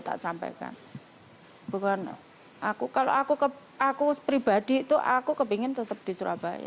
tak sampaikan bukan aku kalau aku ke aku pribadi itu aku kepingin tetap di surabaya